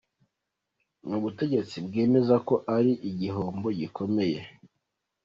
N’ubutegetsi bwemeza ko ari igihombo gikomeye.